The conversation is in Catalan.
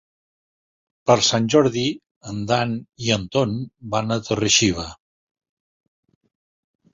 Per Sant Jordi en Dan i en Ton van a Torre-xiva.